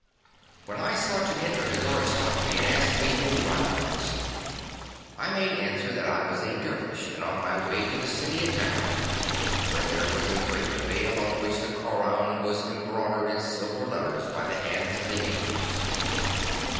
'When I sought to enter, the guards stopped me and asked of me who I was. I made answer that I was a Dervish and on my way to the city of Mecca, where there was a green veil on which the Koran was embroidered in silver letters by the hands of the angels.